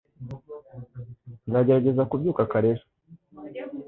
Nzagerageza kubyuka kare ejo